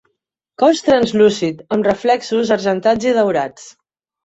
Cos translúcid, amb reflexos argentats i daurats.